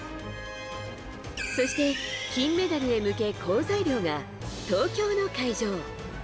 そして金メダルへ向け、好材料が東京の会場。